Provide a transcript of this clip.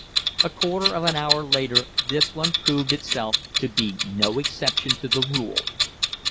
A quarter of an hour later this one proved itself to be no exception to the rule.